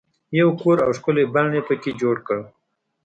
یو کور او ښکلی بڼ یې په کې جوړ کړل.